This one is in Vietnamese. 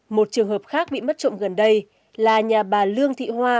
một trường hợp khác bị mất trộm gần đây là nhà bà lương thị hoa